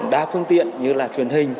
đa phương tiện như là truyền hình